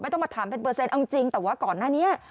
ต้องมาถามเป็นเปอร์เซ็นต์เอาจริงแต่ว่าก่อนหน้านี้